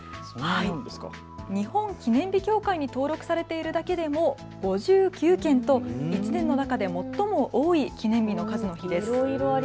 日本記念日協会に登録されているだけでも５９件と１年の中でも最も多いという記念日の数の日です。